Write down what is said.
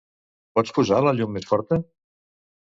Pots posar la llum més forta?